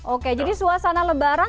oke jadi suasana lebaran